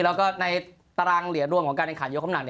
แล้วก็ในตารางเหรียญร่วมของการในขาดยกน้ำหนัก